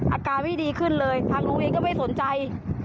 อาการไม่ดีขึ้นเลยทางโรงเรียนก็ไม่สนใจ